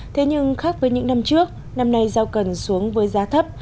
thế nhưng khác với những năm trước năm nay rau cần xuống với giá thấp